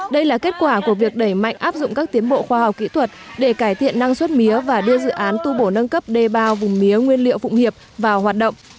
đây là kết quả của việc đẩy mạnh áp dụng các tiến bộ khoa học kỹ thuật để cải thiện năng suất mía và đưa dự án tu bổ nâng cấp đê bao vùng mía nguyên liệu phụng hiệp vào hoạt động